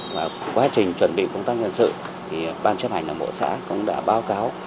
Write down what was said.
và quá trình chuẩn bị công tác nhân sự thì ban chấp hành đảng bộ xã cũng đã báo cáo